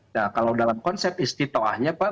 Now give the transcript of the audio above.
nah kalau dalam konsep istitoahnya pak